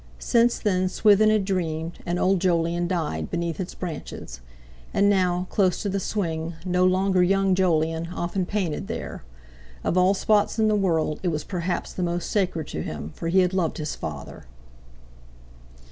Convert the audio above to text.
Since then Swithin had dreamed, and old Jolyon died, beneath its branches. And now, close to the swing, no longer young Jolyon often painted there. Of all spots in the world it was perhaps the most sacred to him, for he had loved his father.